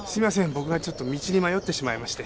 僕がちょっと道に迷ってしまいまして。